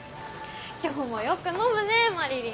今日もよく飲むね麻理鈴。